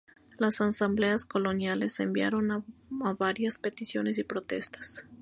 Las asambleas coloniales enviaron varias peticiones y protestas.